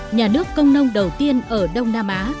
nhà nước công nông đầu tiên ở đông nam á